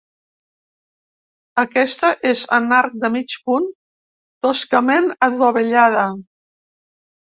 Aquesta és en arc de mig punt, toscament adovellada.